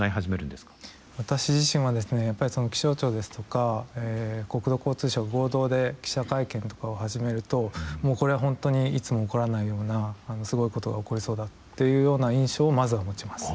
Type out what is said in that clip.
私自身はですね気象庁ですとか国土交通省合同で記者会見とかを始めるともうこれは本当にいつも起こらないようなすごいことが起こりそうだっていうような印象をまずは持ちます。